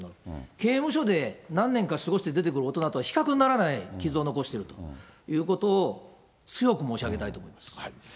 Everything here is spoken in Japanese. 刑務所で何年か過ごして出てくる大人とは、比較にならない傷を残してるということを、強く申し上げたいと思います。